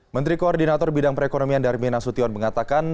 menteri koordinator bidang perekonomian darmin nasution mengatakan